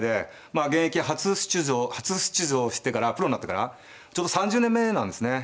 まあ現役初出場してからプロになってからちょうど３０年目なんですね。